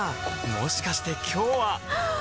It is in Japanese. もしかして今日ははっ！